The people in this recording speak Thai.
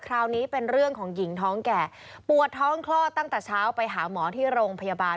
คราวนี้เป็นเรื่องของหญิงท้องแก่ปวดท้องคลอดตั้งแต่เช้าไปหาหมอที่โรงพยาบาล